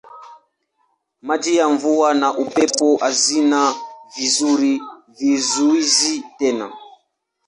Maji ya mvua na upepo hazina vizuizi tena.